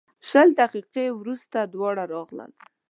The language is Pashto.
شل دقیقې وروسته دواړه راغلل.